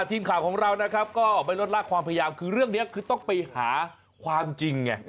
ทีมข่าวของเรานะครับก็ไม่ลดลากความพยายามคือเรื่องนี้คือต้องไปหาความจริงไง